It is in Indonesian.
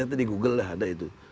itu di google ada itu